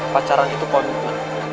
pacaran itu komitmen